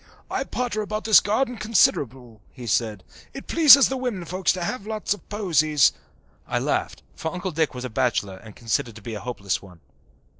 "I potter about this garden considerable," he said. "It pleases the women folks to have lots of posies." I laughed, for Uncle Dick was a bachelor and considered to be a hopeless one.